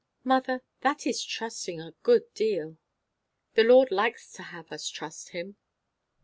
"Mother, that is trusting a good deal." "The Lord likes to have us trust him."